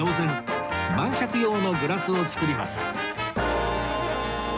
晩酌用のグラスを作ります